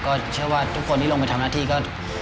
ก็เชื่อว่าทุกคนที่ลงไปทำหน้าที่ก็